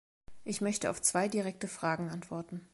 Ich möchte auf zwei direkte Fragen antworten.